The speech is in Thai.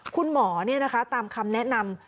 คุณหมอนี่นะคะตามคำแนะนำ